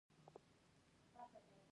کشمش په ژمي کي د چايو سره خوړل کيږي.